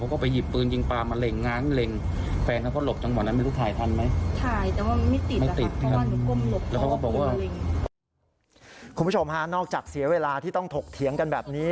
คุณผู้ชมฮะนอกจากเสียเวลาที่ต้องถกเถียงกันแบบนี้